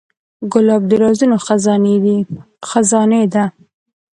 ګلاب د رازونو خزانې ده.